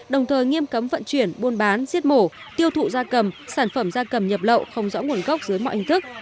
đồng thời nghiêm cấm vận chuyển buôn bán giết mổ tiêu thụ gia cầm sản phẩm da cầm nhập lậu không rõ nguồn gốc dưới mọi hình thức